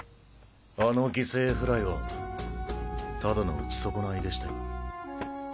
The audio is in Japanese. あの犠牲フライはただの打ち損ないでしたよ。